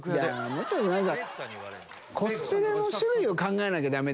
もうちょっと何か。